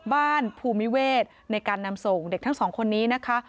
ภูมิเวศในการนำส่งเด็กทั้งสองคนนี้นะคะ